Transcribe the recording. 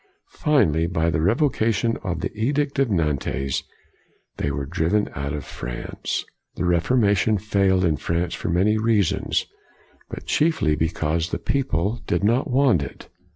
Finally, by the Revocation of the Edict of Nantes, they were driven out of France. The Reformation failed in France for many reasons, but chiefly because the peo ple did not want it.